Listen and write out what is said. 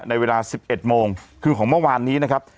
ในเวลา๑๑โมงคือของเมื่อวานนี้นะครับ